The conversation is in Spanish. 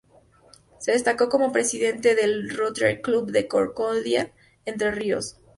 Se destacó como Presidente del Rotary Club de Concordia, Entre Ríos.